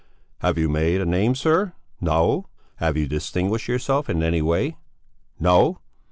"Have you made a name, sir? No! Have you distinguished yourself in any way? No!"